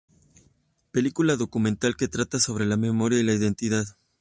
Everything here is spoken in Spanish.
Película documental que trata sobre la memoria y la identidad.